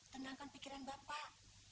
tenangkan pikiran bapak